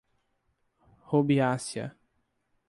Rubiácea